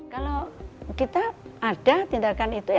kalau kita ada tindakan itu ya